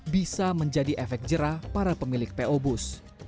bisa menjadi efek jerah para pemilik po bus